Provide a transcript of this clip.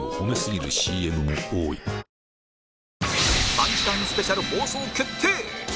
３時間スペシャル放送決定！